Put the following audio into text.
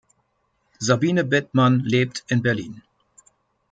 Sabine Bethmann lebt in Berlin.